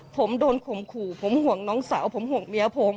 ผมโดนข่มขู่ผมห่วงน้องสาวผมห่วงเมียผม